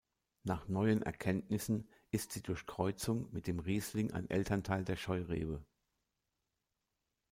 Nach neuen Erkenntnissen ist sie durch Kreuzung mit dem Riesling ein Elternteil der Scheurebe.